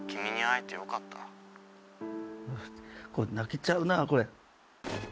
あっこれ泣けちゃうなあこれ。